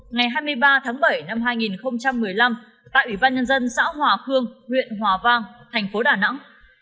ngày hai mươi ba tháng bảy năm hai nghìn một mươi năm tại ủy ban nhân dân xã hòa khương huyện hòa vang thành phố đà nẵng